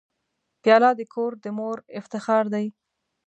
پیاله د کور د مور افتخار دی.